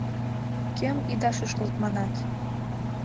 — Кӧм «ида шӱшкылт» манат?